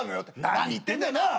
何言ってんだよなあ？